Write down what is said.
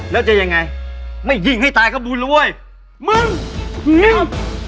แล้วจะยังไงไม่ยิงให้ตายก็บูร้วยมึงมึง